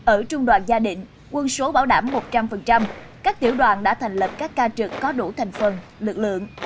ở trung đoàn gia định quân số bảo đảm một trăm linh các tiểu đoàn đã thành lập các ca trực có đủ thành phần lực lượng